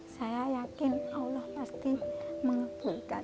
saya yakin allah pasti mengebulkan